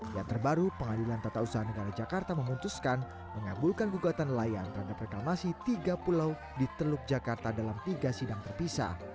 yang terbaru pengadilan tata usaha negara jakarta memutuskan mengabulkan gugatan layan terhadap reklamasi tiga pulau di teluk jakarta dalam tiga sidang terpisah